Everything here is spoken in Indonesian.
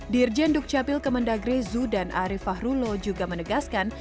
dirjen dukcapil kemendagri zu dan arief fahrullo juga menegaskan